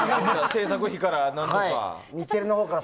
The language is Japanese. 制作費から何とか。